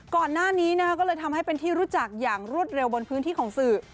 ก่อนหน้านี้ก็เลยทำให้เป็นที่รู้จักอย่างรวดเร็วบนพื้นที่ของสื่อ